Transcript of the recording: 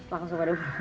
langsung ke depan